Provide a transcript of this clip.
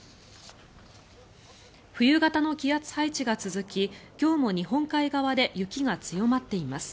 冬型の気圧配置が続き今日も日本海側で雪が強まっています。